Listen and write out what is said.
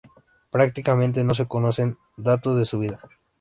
Prácticamente no se conocen datos de su vida.